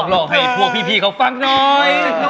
เล่าให้พวกพี่เขาฟังหน่อย